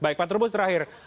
baik pak turbos terakhir